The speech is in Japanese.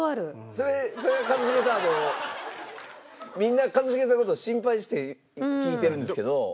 それ一茂さんあのみんな一茂さんの事心配して聞いてるんですけど。